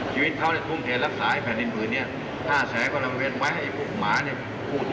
ชีวิตเท่านรักษาภรรยณฑืน๕แบบเป็นไว้ภูมิมาพูด